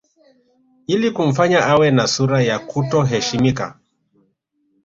Ili kumfanya awe na sura ya kuto heshimika